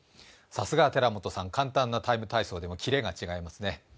さすが、寺本さん、簡単な「ＴＩＭＥ，体操」でもキレが違いますね。